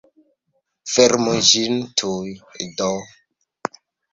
Fermu ĝin tuj, do!